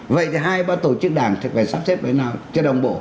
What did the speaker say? vậy thì hai ba tổ chức đảng sẽ phải sắp xếp với nhau cho đồng bộ